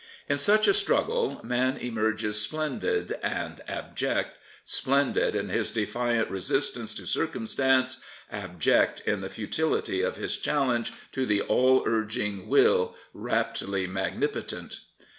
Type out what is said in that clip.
In such a struggle man emerges splendid and abject — splendid in his defiant resistance to circumstance, abject in the futility of his challenge to "the all urging Will, raptly magnipotent."